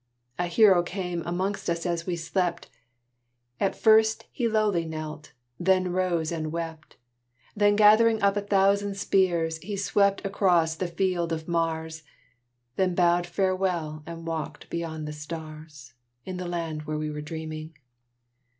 A hero came amongst us as we slept; At first he lowly knelt then rose and wept; Then gathering up a thousand spears He swept across the field of Mars; Then bowed farewell and walked beyond the stars, In the land where we were dreaming.